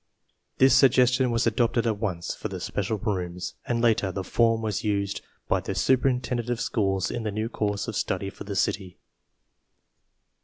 This suggestion was adopted at once for the special rooms, and later the form was used by the superintendent of schools in the new course of study for the city.